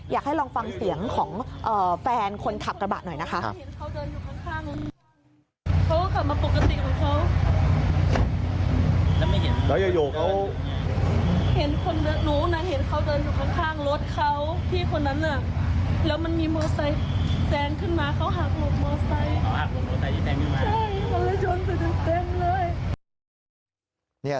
อยากให้ลองฟังเสียงของแฟนคนขับกระบะหน่อยนะคะ